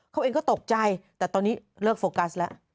เขาเองก็ตกใจแต่ตอนนี้เลิกโฟกัสแล้ว